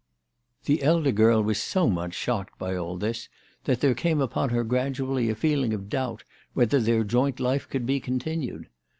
The elder girl was so much shocked by all this that there came upon her gradually a feeling of doubt whether their joint life could be continued.